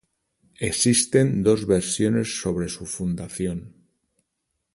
Existen dos versiones sobre su fundación.